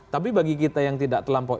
tapi bagi kita yang tidak terlampau